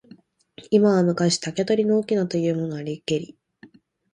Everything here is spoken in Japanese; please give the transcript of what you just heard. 今は昔、竹取の翁というものありけり。